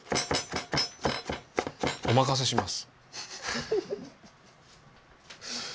おまかせします。